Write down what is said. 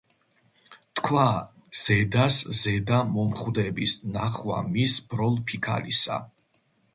თქვა: "ზედას-ზედა მომხვდების ნახვა მის ბროლ-ფიქალისა,